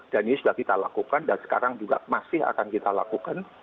dan ini sudah kita lakukan dan sekarang juga masih akan kita lakukan